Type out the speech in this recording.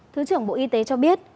thứ trưởng bộ y tế cho biết